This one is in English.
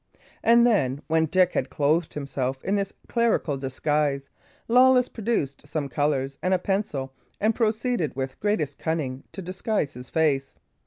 And then, when Dick had clothed himself in this clerical disguise, Lawless produced some colours and a pencil, and proceeded, with the greatest cunning, to disguise his face.